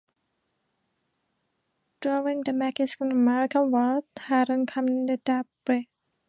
During the Mexican-American War, Herndon commanded the brig "Iris" with distinction.